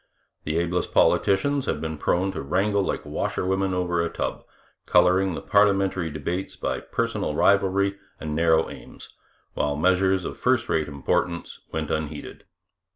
The ablest politicians had been prone to wrangle like washerwomen over a tub, colouring the parliamentary debates by personal rivalry and narrow aims, while measures of first rate importance went unheeded.